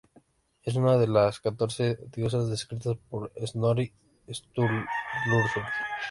Es una de las catorce diosas descritas por Snorri Sturluson.